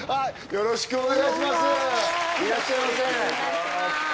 よろしくお願いします